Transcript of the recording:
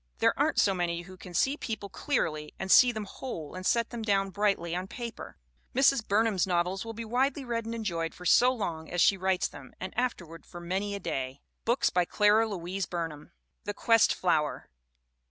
There aren't so many who can see people clearly and see them whole and set them down brightly on paper. Mrs. Burnham's novels will be widely read and enjoyed for so long as she writes them and afterward for many a day. BOOKS RY CLARA LOUISE BURNHAM The Quest Flower.